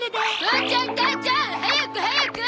父ちゃん母ちゃん早く早く！